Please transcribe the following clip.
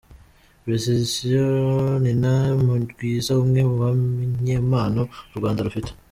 Precious Nina Mugwiza umwe mu banyempano u Rwanda rufite.